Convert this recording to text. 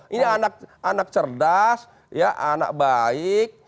ini anak cerdas anak baik